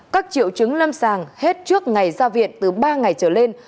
các triệu chứng lâm sàng hết trước ngày ra viện từ ba ngày trở lên